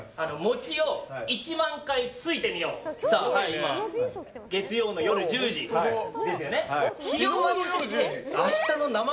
今、月曜の夜１０時ですよね。